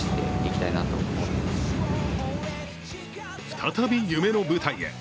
再び夢の舞台へ。